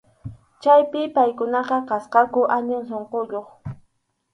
Chaypi paykuna kasqaku allin sunquyuq.